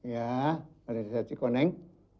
ya balai desa cikoneng